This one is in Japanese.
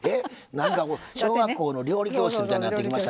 なんか小学校の料理教室みたいになってきましたが。